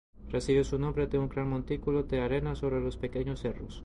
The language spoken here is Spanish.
Recibe su nombre de un gran montículo de arena entre dos pequeños cerros.